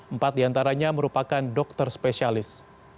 empat diantaranya merupakan dokter spesialis